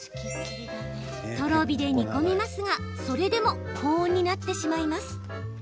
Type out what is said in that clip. とろ火で煮込みますがそれでも高温になってしまいます。